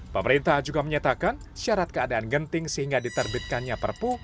pemerintah juga menyatakan syarat keadaan genting sehingga diterbitkannya perpu